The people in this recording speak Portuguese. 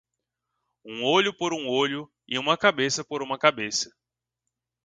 "Um olho por um olho e uma cabeça por uma cabeça"